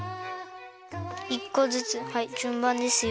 １こずつはいじゅんばんですよ。